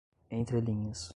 entrelinhas